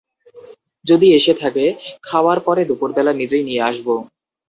যদি এসে থাকে, খাওয়ার পরে দুপুরবেলা নিজেই নিয়ে আসব।